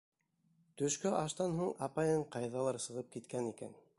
Төшкө аштан һуң апайың ҡайҙалыр сығып киткән икән.